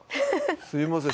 すいません